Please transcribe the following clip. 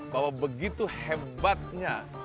bahwa begitu hebatnya